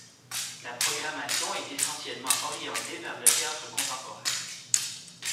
La programmation est essentiellement orientée vers le théâtre contemporain.